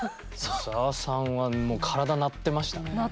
小沢さんはもう鳴ってましたよね？